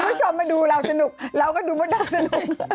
คุณผู้ชมมาดูเราสนุกเราก็ดูมดดำสนุก